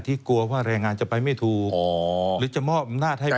ที่กลัวว่าแรงงานจะไปไม่ถูกหรือจะมอบนาฏให้ไป